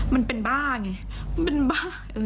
มันเป็นบ้าไง